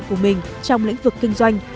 của mình trong lĩnh vực kinh doanh